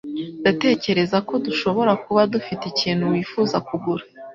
Ndatekereza ko dushobora kuba dufite ikintu wifuza kugura.